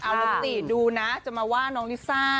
เอาลงสิดูนะจะมาว่าน้องลิซ่า